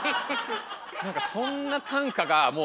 何かそんな短歌がもう。